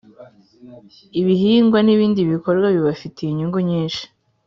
Ibihingwa n ibindi bikorwa bibafitiye inyungu nyinshi